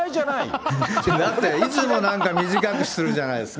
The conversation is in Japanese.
だっていつもなんか短くするじゃないですか。